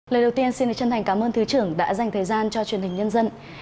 lời đầu tiên xin được chân thành cảm ơn thứ trưởng đã dành thời gian cho truyền hình nhân dân